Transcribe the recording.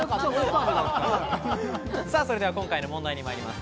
それでは今回の問題に参ります。